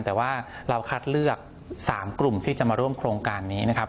แต่ว่าเราคัดเลือก๓กลุ่มที่จะมาร่วมโครงการนี้นะครับ